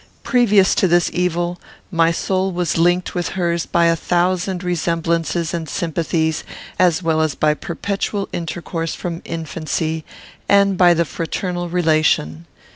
Previous to this evil, my soul was linked with hers by a thousand resemblances and sympathies, as well as by perpetual intercourse from infancy, and by the fraternal relation.